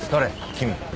君。